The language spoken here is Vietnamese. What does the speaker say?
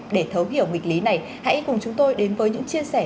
để thấu hiểu nghịch lý này hãy cùng chúng tôi đến với những chia sẻ